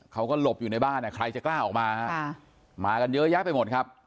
เขาก็หลบอยู่ในบ้านใครจะกล้าออกมาฮะมากันเยอะแยะไปหมดครับ